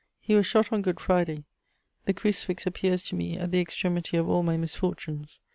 He was shot on Good Friday: the crucifix appears to me at the extremity of all my misfortunes.